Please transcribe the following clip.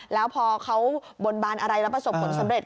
แล้วพอเขาบนบานอะไรแล้วประสบผลสำเร็จ